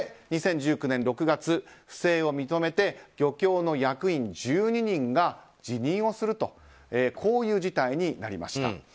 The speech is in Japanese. ２０１９年６月、不正を認めて漁協の役員１２人が辞任をするとこういう事態になりました。